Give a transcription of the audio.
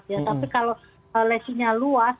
tapi kalau lesinya luas